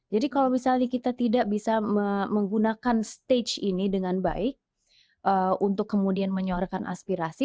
jadi kalau misalnya kita tidak bisa menggunakan stage ini dengan baik untuk kemudian menyuarakan aspirasi